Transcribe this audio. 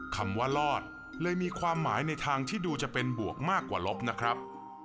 คำว่ารอดเลยมีความหมายในทางที่ดูจะเป็นบวกมากกว่าลบนะครับ